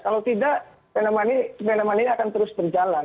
kalau tidak penemannya akan terus berjalan